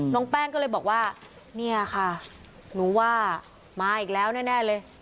น้องแป้งก็เลยบอกว่าเนี่ยค่ะหนูว่ามาอีกแล้วแน่เลย